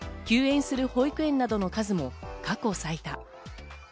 休園する保育園などの数も過去最多。